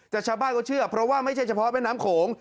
แต่ชาวบ้านเขาเชื่อเพราะว่าไม่ใช่เฉพาะแม่น้ำโขง